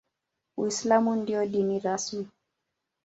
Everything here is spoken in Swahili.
Uislamu ndio dini rasmi.